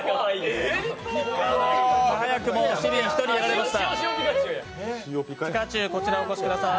早くも市民１人、やられました。